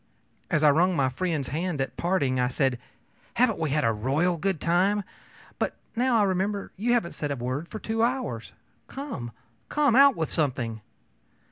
As I wrung my friend's hand at parting, I said: ōHaven't we had a royal good time! But now I remember, you haven't said a word for two hours. Come, come, out with something!